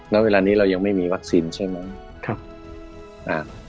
แล้วเวลานี้เรายังไม่มีวัคซีนใช่ไหม